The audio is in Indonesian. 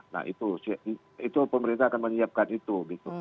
nah itu pemerintah akan menyiapkan itu gitu